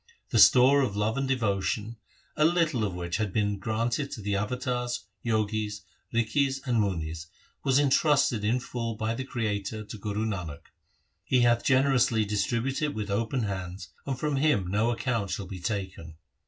The store of love and devotion, a little of which had been granted to the avatars, jogis, rikhis, and munis, was entrusted in full by the Creator to Guru Nanak. He hath generously distributed it with open hands and from him no account shall be taken.